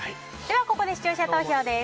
ここで視聴者投票です。